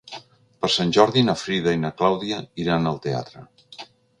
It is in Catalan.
Per Sant Jordi na Frida i na Clàudia iran al teatre.